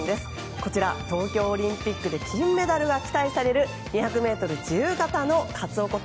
こちら東京オリンピックで金メダルが期待される２００ｍ自由形のカツオこと